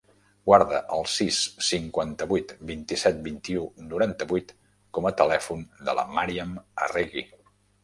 Guarda el sis, cinquanta-vuit, vint-i-set, vint-i-u, noranta-vuit com a telèfon de la Màriam Arregui.